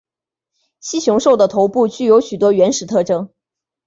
蜥熊兽的头部具有许多原始特征。